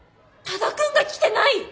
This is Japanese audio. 多田くんが来てない！？